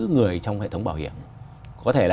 người trong hệ thống bảo hiểm có thể là